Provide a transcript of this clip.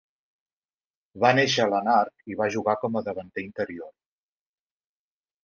Va néixer a Lanark i va jugar com a davanter interior.